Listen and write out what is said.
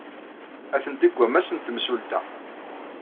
Atenti deg wammas n temsulta.